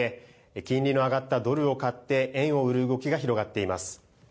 金利の上がったドルを買って円を売る動きが広がっています。